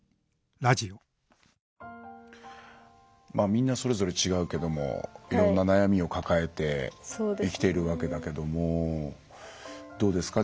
みんなそれぞれ違うけどもいろんな悩みを抱えて生きているわけだけどもどうですか？